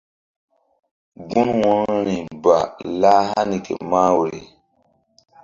Gun wo̧rori ba lah hani ke mah woyri.